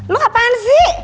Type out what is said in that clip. lu kapan sih